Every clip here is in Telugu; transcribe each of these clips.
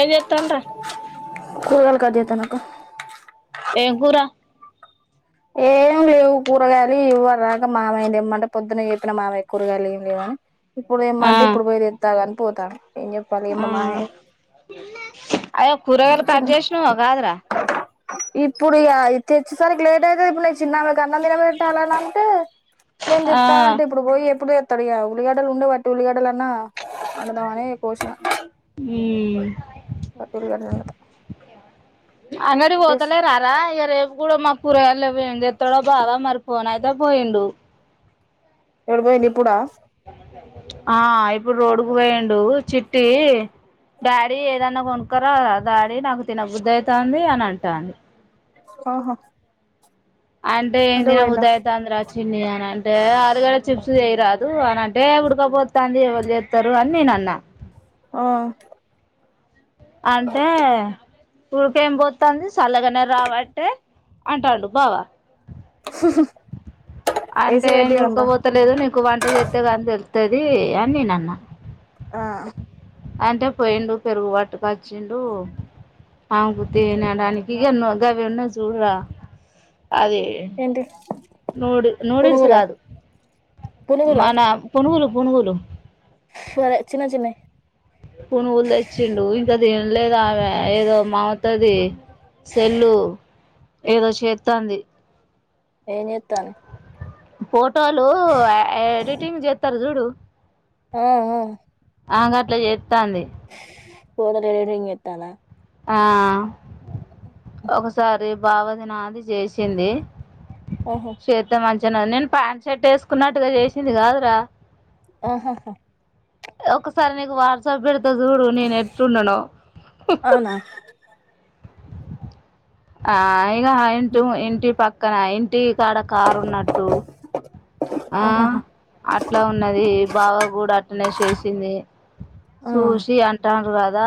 ఏజ చెత్తలరా కదితనకు ఏ కూరా ఏం లేవు కూరగాయలి ఇవ్వ రాక మామయ ఇమ్మంటే పొద్దున్న చెప్పిన మామయ్య కూరగాయలి ఏం లేవుని ఇప్పుడు ఆ ఏమంటే ఇప్పుడు పోయి దంతాగాంట పోదా అయ్యో కూరగాయలు కట్ చేసినవ్ కాదురా ఇప్పుడిగా తెచ్చేసరికి లేట్ [inaudible] చిన్న మీ కన్న తిన పెట్టాల అంటే నేను ఆ తిత్తా అంటే ఇప్పుడు పోయి ఎప్పుడు ఆ ఉల్లిగడ్డలు ఉండవట్టే ఉల్లిగడ్డలు ఆ బానే కోసిన ఉ బట్టి ఉల్లిగడ్డలు వండుతా అంగడి టేస్ట్ పోతలేరా రా ఈరోజు కూడా మా కూరగాలు లేవు ఏం తెత్తడో బావ మరి పోను అయితే పోయిండు ఎప్పుడు పోయిండు ఇప్పుడా ఆ ఇప్పుడు రోడ్కు పోయిండు చిట్టి డాడీ ఏదన్నా కొనుకారా డాడీ నాకు తినబుద్ధి అవుతుంది అని అంటాంది ఆహా అంటే ఏం తినబుద్ది అయితందిర రా చిన్ని అంటే ఆలుగడ్డ చిప్స్ తెరాదు అనంటే ఉడకపోతుాంది ఎవరు చేస్తారు అని నేన అన్నా ఆ అంటే ఉడికేం పోతంది చల్లగానే రావట్లే అంటాండు బావ అంటే ఏసీ ఎ పెట్టి అందా దడుకోపోతలేదు నీకు వంట చేస్తే నీకు తెలుస్తది అని నేను అన్న ఆ అంటే పోయిడు పెరుగుబటు వచ్చిండు అవును కుతే వినాడా అకి ఇగాన్న గవి ఉన్న చూడ అది ఏంటి నూడి నూడిల్స్ పునుగులా కాదు మన పునుగులు పునుగులు అదే చిన్న చిన్న పునుగులు తెచ్చిండు ఇంకా తినల్లేదా ఆమె ఏదో మమతది సెల్లు ఏదో చేస్తుంది ఏం చేస్తోంది ఫోన్ లో ఎడిటింగ్ చేస్తారు చూడు ఆ ఆ ఆ గట్లా చేస్తాంది ఫోటోలు ఎడిటింగ్ చేస్తుందా ఆ ఒకసారి బావది నాది చేసింది ఆహా శత మాంచి నేను పాంట్ షర్ట్ వేసుకున్నట్టుగా చేసింది కాదురా ఆహాహా ఒకసారి నీకు వాట్సాప్ పెడుత ఇంత చూడు నేను ఎటు ఉండను అవునా ఆ పైగా ఇంటూ ఇంటి పక్క ఇక్కన ఇంటి తడ కారు ఉన్నట్టు ఆ ఆహాహా అట్లా ఉన్నది బావగూడ అట్టనే చేసింది ఆ సూషీ అంట ర్రా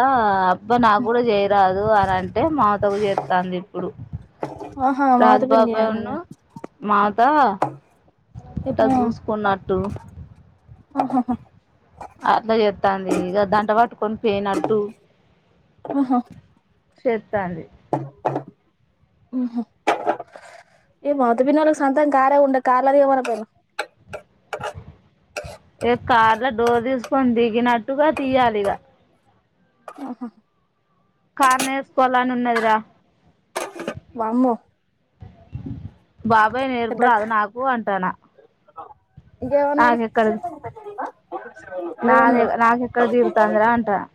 అబ్బా నాకు కూడా చేయరాదు అని అంటే మామతకు చేస్తంది ఇప్పుడు ఆహా మాతో పిడి అన్నద త ఇట జస్కున కుత్తో ఆహాహా అట్లా చేస్తంది ఇక దంట పట్టుకని పోయినట్టు అ హా స తడి మ్ హు ఈ మత పిన్నకి సంతం కారే ఉండ కార్లాదిగా మన పను ఏ కార్లో డోర్ తీసుకొని దిగినట్టుగా తీయాలి ఇగ ఆహాహా కార్న్ వేసుకోవాల అని ఉన్నదిరా వామ్మో బాబాయ్ నేర్పు పెద్ద రాదు నాకు అంటానా ఇంకేమన్నాడు నాకెక్కడ నాదే ఏమన్నాడు నాకెక్కడ తీరుతాందిరా అంటానా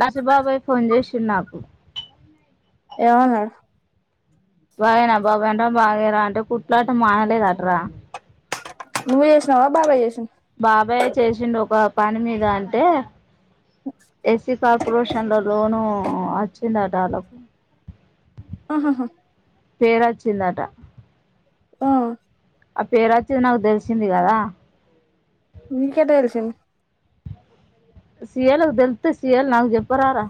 నచ్చబాబాయ్ ఫోన్ చేసిడు నాకు ఏమన్నాడు బాగానే బా వెంట బాగానా అంటే కుట్లాటు మానలే తటరా నువ చేసినవా బబాయి చేసిన బాబాయే చేసిండు ఒక పని మీద అంటే ఎస్సీ కార్పొరేషన్ లో లోను వచ్చిందటళ్ళకు ఆహాహా పేరాచిందట ఆ ఆ పేరు వచ్చేది నాకు తెలిసింది కదా మీకేటా తెలిసింది సియాలకు తెలుతే సియల్ నాకు చెప్పరారా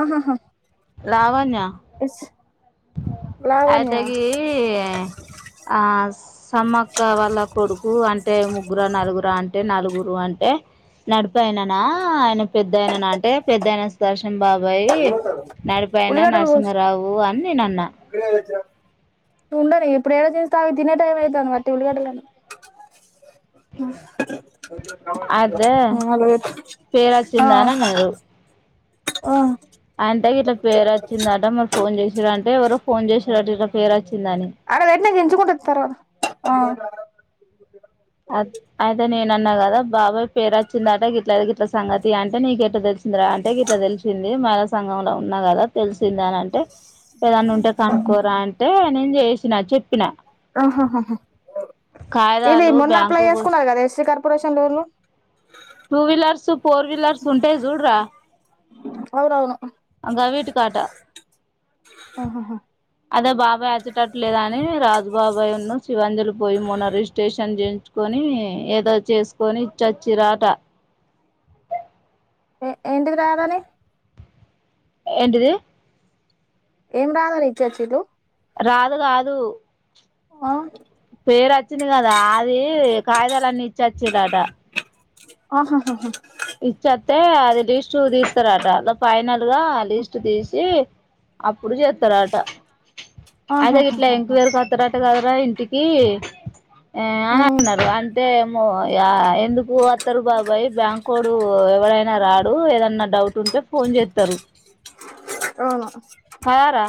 ఆహాహా లావాణ్య ఇస్ అయితేగి ఆ సమ్మక్క వాళ్ళ కొడుకు అంటే ముగ్గుర నలుగుర అంటే నలుగురు అంటే నడిపయిననా ఆయన పెద్దయిననా అంటే పెద్దయిన సు దర్శం బా బయి నడి పన నరసిహరావు అని నేను అన్నా గడ వచ్చారు ఉండడి ఇప్పుడు ఏదో చేస్త అవి తినే టైం అవుతు బట్టి ఉలిగట్ట అదే అలా పేరు ఆ వచ్చిందా అని అన్నారు ఆ అంటే ఇట్లా పేరు వచ్చిందట మరి ఫోన్ చేసిారు అంటే ఎవరో ఫోన్ చేసి అ ఎట్న ఎంంచు కుంటతారు అన్నా కదా బాబాయ్ పేరుచ్చిందట ఇట్లా ఇట్ల సంగతి అంటే నీక ఎట్లా తెలిసిందరా అంటే ఇట్లా తెలిసింది మళ సంఘంలో ఉన్నా కదా తెలు వందనింటే ఏదన్న ఉంటే కనుక్కరా అంటే నం చేసినా చెప్పిన ఆహాహహ ఏ కాగిదాలు మనా అప్లై బ్యాంకు చేసుకున్నారు కదే కార్పొరేషన్ లో టూ వీలర్స్ ఫోర్ వీలర్స్ ఉంటాయి చూడరా అవురవును అకా వీటుకాట ఆహాహా అదే బాబాయ్ వచ్చటట్లేదు అని రాజుబాబాయ్ ఉన్న శివంజలు పోయి మన ర స్టేషన్ చేయించుకొని ఏదో చేసుకొని ఇచ్చొచ్చి రాట ఏ ఎందుకు రాయాదాని ఎంటిది ఏం రాదా ఇచ్చాచ్చ తూ రాదు కాదు ఆ పేరుచ్చంది కా అదా ఆది కాయిదాలన్నీ చచ్చిలద ఆహాహాహా ఇచ్చ అంత అదిే ష్ ఉ తీస్తరాట ఫైనల్ గా లిస్ట్ తీసి అప్పుడు చేస్తారట అదే ఇట్లా ఆహాహాహాహా ఎంక్వేర్ కొత అంత కదరా ఇంటికి ఆ అని ఉమ్ అంటున్నారు అంటే ఓ ఎందుకు పోతారు బాబాయ్ బ్యాంక్ కోడు ఎవరైనా రాడు ఏదన్నా డౌట్ ఉంటే ఫోన్ చేస్తారు అ కదారా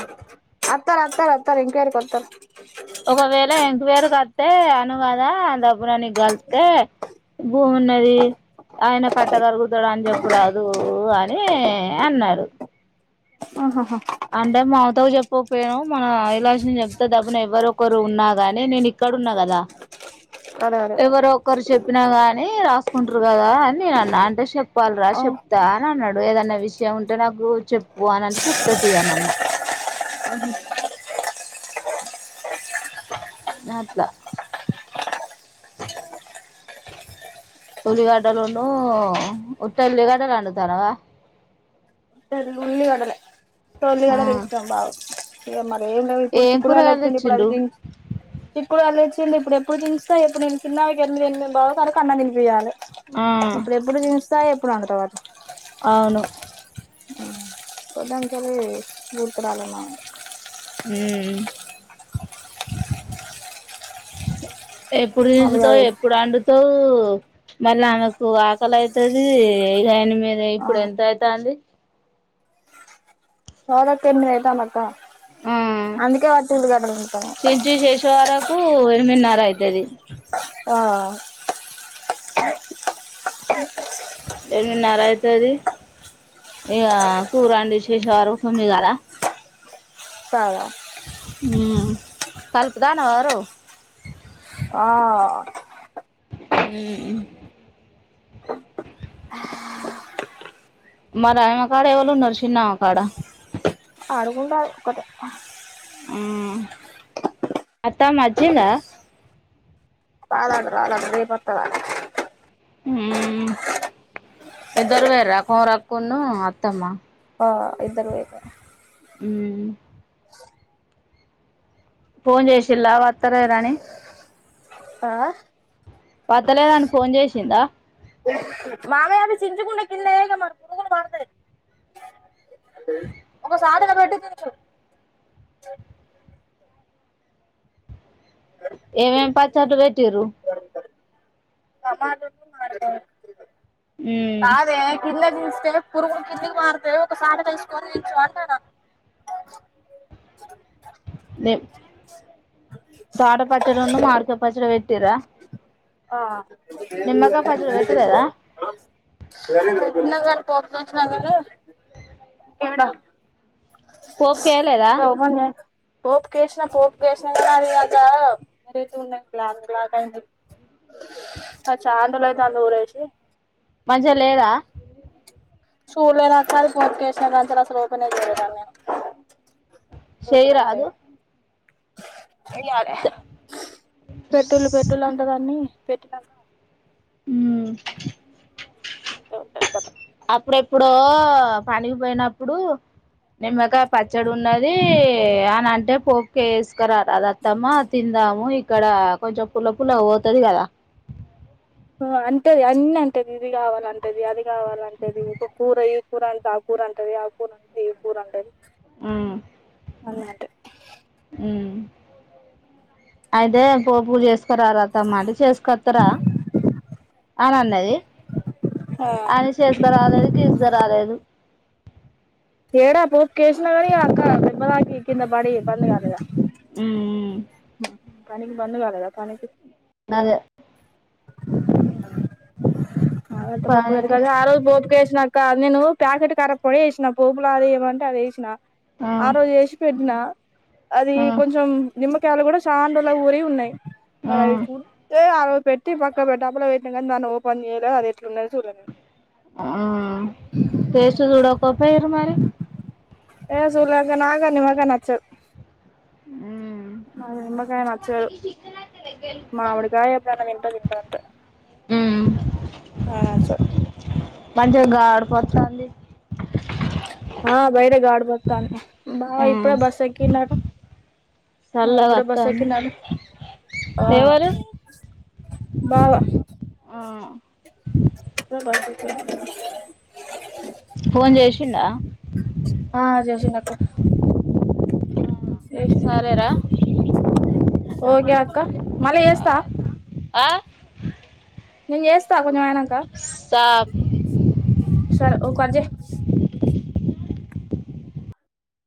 అత్త రాత రా ఎంక్వైర్ కొతారు ఒకవేళం వేరుకస్తే అను కదా డబ్బున నీ గలిస్తతే భూమి ఉన్నది ఆయన కట్టగరుగుతాడు అని చెప్పు రాదు అని అన్నాడు ఆహహా చెప్పకపోయాను మన ఇలాష్ని చెప్తతే డబును ఎవ్వరొ ఒకరు ఉన్నా గాని నేను ఇక్కడ ఉన్నా కదా అదే అదే ఎవరు ఒకరు చెప్ చెప్పినా గాని రాసుకుంటారు కదా అని నేను అన్న అంటే చెప్ా ప్పల్రా ఆ చెప్తా నడు ప్పుడు ఏదన్న విషయం ఉంటే నాకు చెప్పు అని అంటే చెప్త తీ అన అన్న నాట్లా ఉల్లిగాటలోన్న ఉత్త ఉల్లిగాటలాడు తారవా తొలిగాల ఇష్టభావ ఇ మరి ఏం లే ఇప్పుడు ఏం చిక్కుడు వళ్ళ కూరగాయలు వచ్చిడి ఇప్పుడు తెచ్చిండ్రు వి చిక్కుడు వాళ్ళ ం ఇప్పుడు ఎప్పుడు తిస్తా ఎప్పుడు నేను చిన్నవి ఒక ఎనిమిది ఎనిమిది బా సరకు కన్నా తినిపియాలి ఆ ఇప్పుడ ఎప్పుడు జ సాయప్పుడు అంట తవాత అవును కొద్దాం కాాలలి గురు తడాలన్నా హ ఎప్పుడు మళ్ళీ నించుతో అవి ఎప్పుడు వండుతో మళ్ళీ ఆమెకు ఆకలి అవుతుది ఆయన మీద ఆ ఇప్పుడు ఎంత అవుతుంది తోద తన్న వతా మట ఆ తింటాను చించ శేషవార ఊ ఎరిమిిన నర అయితది ఆ రమిన్నర అయితుది ఇక కూర అండి విశేష వర తమి కదా కా కల్పుతాన వారు ఆ అ మరి ఆమె కాడ ఎవరున్నారు, చిన్నమ్మ కాడ, ఆడుకుంటా ఒక్కతే, ఆ అత్తమ్మ వచ్చిందా, రాలేదు రాలేదు రేపోతదంట, ఇద్దరు పోయిరా, కొమరక్క ను అత్తమ్మా, ఆ ఇద్దరు పోయిరా, ఉ ఫోన్ చేసిలా వాత్తలే రాని, ఆ వాతలే ను అన్ని ఫోన్ చేసిందా, మామే అవి చింజ కుండడా, కన్నన్నాగా మరి ప అ ఒక సాధగా పెట్టితు, ఏమేమి పచ్చట్లు పెట్టిండ్రు, టమాటాలు మాడతాయి మ్మ్ కాదే క స్తే పురుగుని కిందికి మారుతే, ఒక చట్ట తీసుకొని ఎత్తు అంటను, టమాట పచ్చడను, మామిడి కాయ పచ్చడ పెట్టిర్రా, ఆ నిమ్మకాయ పచ్చడి పెట్టలేదా [unintelligible] పజ నగర ఎడ [inaudible] పో మన్నా పోపు కేసిన, పోపు కేసిన కానీ అది, ఇ మీరైతే ఉంద క్లా క్లాక్ అయింది, ఆ చాలా రోజులు లో అయితాంది ఊరేసి, మంచిగా లేదా చూడలే అసలు పోప్ కేసిన, కనుండి ఓపెన్ చేయలేదు. చెయి రా అద దే పెట్రోల్ పెట్రోల్ అంట దాన్ని పెట్లాగా హ ఉంట ఉంటా కద అప్పుడెప్పుడు పనికి పోయినప్పుడు నిమ్మగా పచ్చడి ఉన్నది అని అంట అంటే పోపకే వేసుకురా రాదత్తమ్మా తిందాము. ఇక్కడ కొంచెం పుల్ల పులగా పోతది కదా. అంటేది అన్ని అంటేది ఇది కావాలంటేది, అది కావాలంటేది ఒక కూర ఈ కూర అంటే ఆ కూర అంటది ఆ కూర అంటది ఈ కూర అంటది. ఆ వన్నట్ అ అయితే పోపు చేసుకుర రా అత్తమ్మ అంట చేసుకొస్తరా అని అన్నది. ఆ అని చేసుక రాలేదు గీజగా రాలేదు. ఏడ ప కష్ణగరికి కంద బడి బ కదగా ఇక్కడ రాసిన పదాలకు వాయిస్ టైపింగ్ పదాలకు చాలా తేడా ఉంది. అది ఏడ పోపుకేసినకని అక్క దెబ్బ తాకి కిందబడి ఇబ్బందిగాల. అ పనికి బందు కాలదా పనికికి అది [inaudible] అ పాప క క బపు ఇక్కడ పదానికి వాయిస్ రికార్డ్ కు తేడా ఉన్నది. ఆ పపు పానికి బత్కొని ఆరొజు పోపుకేసి. న నా నేను ప్యాకెట్ కర్ర పొడ వేసినా పోపులా అదిమంటే అది వేసినా. ఆ రోజు వేసి పెట్టిన అది ఆ కొంచెం నిమ కాయలు కూడా సాండల ఊరి ఉన్నాయి ఆ మ చూతే పెట్టి పక్క పె డబ్బలో వెట్ వన్ ఇయ లో అది ఎట్లు ఉన్నో చూడడి ఆ కేసు చూడా కోప్ప ఇరు మరి ఏ చూల్క నాగ ని మగా నచ్చ ఉమ్ మ ఎమకాయ నచ్చారు మా అడు కాయ అప్పుడనా నింట నింట అంత పంచి గగాడ పొత్తంది ఆా బైర గ ఆడ్బ తను బా ఇప్పుడ బస్సకిన్నారు చల్ వత్తాం ఎవరు బాళ ఆ స ఫోన్ చేసిండా ఆ చేసిండు జేసిండు సరేరా ఓకే అక్ అక్క మళ్ళీ చేస్తా ఆ నెన్ చేస్తా ఆగ్ కొంచమైనక సాప్ సరే ఒక అర్జెంట్ [inaudible]